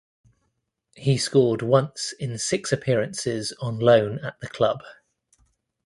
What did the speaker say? He scored once in six appearances on loan at the club.